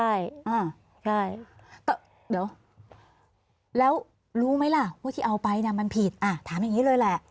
ใช่เดี๋ยวแล้วรู้ไหมล่ะว่าที่เอาไปน่ะมันผิดอ่ะถามอย่างนี้เลยแหละ